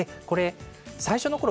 最初のころ